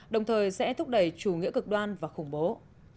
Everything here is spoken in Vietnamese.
đồng thời sẽ thúc đẩy chủ nghĩa cực đoan và khủng bố